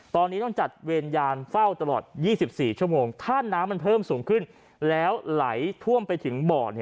ตอนนี้ต้องจัดเวรยานเฝ้าตลอด๒๔ชั่วโมงถ้าน้ำมันเพิ่มสูงขึ้นแล้วไหลท่วมไปถึงบ่อ